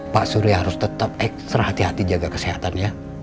pak surya harus tetap ekstra hati hati jaga kesehatannya